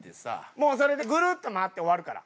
もうそれでぐるっと回って終わるから。